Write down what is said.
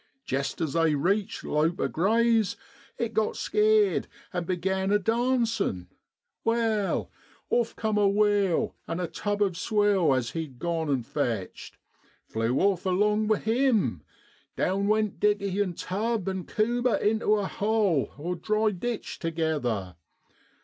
Jest as they reached Loper Grey's it got skeered, and began a dancin'; wal, off cum a wheel, an' a tub of swill, as he'd gone an' fetched, flew off along with him down went dickey and tub an' Cubitt into a holl (dry ditch) togither.